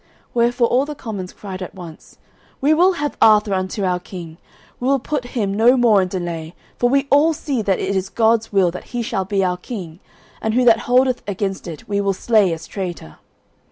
Wherefore all the commons cried at once, "We will have Arthur unto our king; we will put him no more in delay, for we all see that it is God's will that he shall be our king, and who that holdeth against it we will slay as traitor."